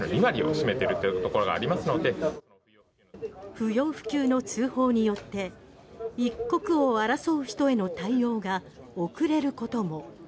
不要不急の通報によって一刻を争う人への対応が遅れることも。